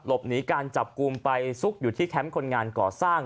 หลบหนีการจับกลุ่มไปซุกอยู่ที่แคมป์คนงานก่อสร้าง